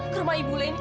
ke rumah ibu lain